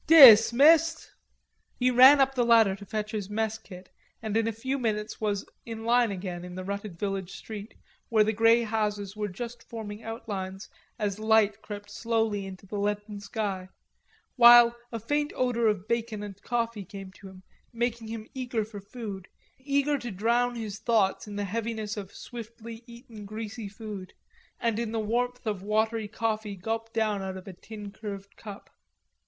"Dismissed!" He ran up the ladder to fetch his mess kit and in a few minutes was in line again in the rutted village street where the grey houses were just forming outlines as light crept slowly into the leaden sky, while a faint odor of bacon and coffee came to him, making him eager for food, eager to drown his thoughts in the heaviness of swiftly eaten greasy food and in the warmth of watery coffee gulped down out of a tin curved cup.